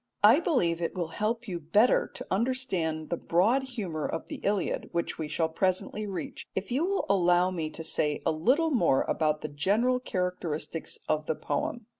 I believe it will help you better to understand the broad humour of the Iliad, which we shall presently reach, if you will allow me to say a little more about the general characteristics of the poem.